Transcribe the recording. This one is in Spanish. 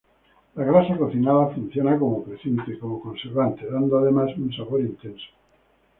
La grasa cocinada funciona como precinto y como conservante, dando además un sabor intenso.